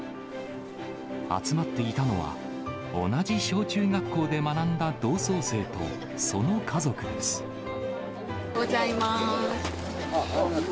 集まっていたのは、同じ小中学校おはようございます。